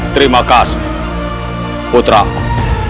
terima kasih putra aku